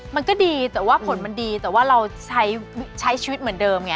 มันก็ดีแต่ว่าผลมันดีแต่ว่าเราใช้ชีวิตเหมือนเดิมไง